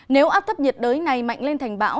nếu áp thấp nhiệt đới này mạnh lên thành bão